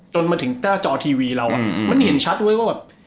จนมาถึงหน้าจอทีวีเรามันเห็นชัดว่า